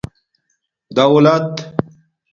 دݸلت